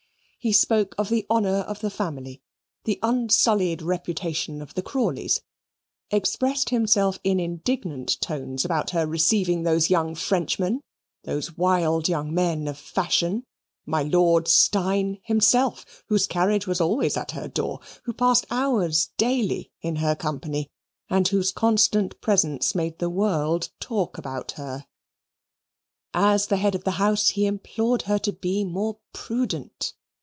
He spoke of the honour of the family, the unsullied reputation of the Crawleys; expressed himself in indignant tones about her receiving those young Frenchmen those wild young men of fashion, my Lord Steyne himself, whose carriage was always at her door, who passed hours daily in her company, and whose constant presence made the world talk about her. As the head of the house he implored her to be more prudent.